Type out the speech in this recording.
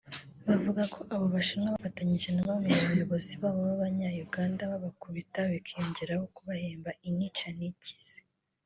bavuga ko abo bashinwa bafatanyije na bamwe mu bayobozi babo b’abanya-Uganda babakubita bikiyongeraho kubahemba intica ntikize